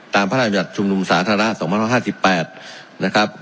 ตามพระราชญัติชุมนุมสาธาระสองพันร้อยห้าสิบแปดนะครับ